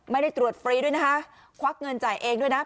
ไม่ได้ตรวจฟรีด้วยนะคะควักเงินจ่ายเองด้วยนะ